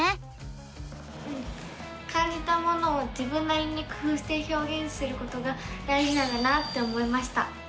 うん感じたものを自分なりに工ふうしてひょうげんすることが大じなんだなって思いました！